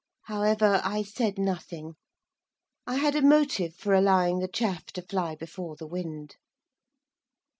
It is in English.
However, I said nothing. I had a motive for allowing the chaff to fly before the wind.